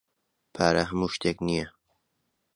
پارە ھەموو شتێک نییە.